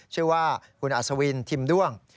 ชื่อว่าคุณอัศวินทิมด้วง